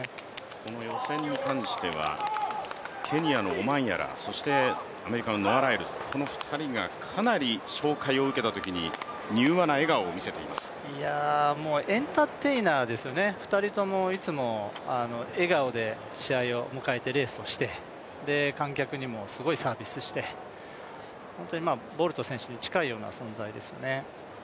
この予選に関しては、ケニアのオマンヤラ、そしてアメリカのノア・ライルズ、この２人がかなり紹介を受けたときにもうエンターテイナーですよね、２人ともいつも笑顔でレースをして観客にもすごいサービスして、本当にボルト選手に近いような存在ですよね。